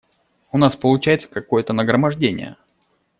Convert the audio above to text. У нас получается какое-то нагромождение.